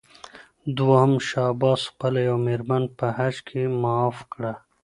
دوهم شاه عباس خپله یوه مېرمن په حج کې معاف کړه.